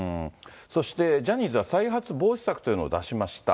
そしてジャニーズは再発防止策というのを出しました。